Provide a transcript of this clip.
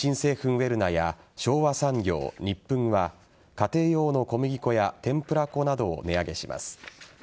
ウェルナや昭和産業ニップンは家庭用の小麦粉や天ぷら粉などを値上げします。